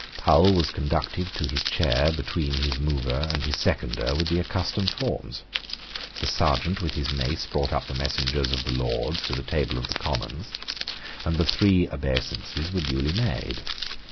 Powle was conducted to his chair between his mover and his seconder with the accustomed forms. The Serjeant with his mace brought up the messengers of the Lords to the table of the Commons; and the three obeisances were duly made.